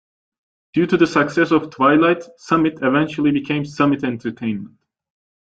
Due to the success of "Twilight," Summit eventually became Summit Entertainment.